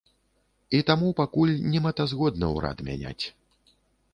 І таму пакуль немэтазгодна ўрад мяняць.